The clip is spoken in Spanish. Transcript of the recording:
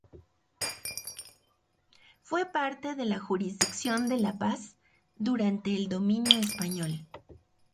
Fue parte de la jurisdicción de la Paz durante el dominio español.